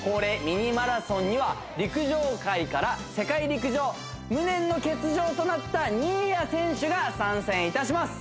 ミニマラソンには陸上界から世界陸上無念の欠場となった新谷選手が参戦いたします